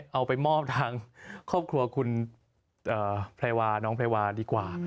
เอาไปมอบทางครอบครัวคุณแพรวาน้องแพรวาดีกว่า